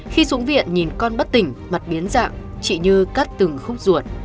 khi xuống viện nhìn con bất tỉnh mặt biến dạng chị như cắt từng khúc ruột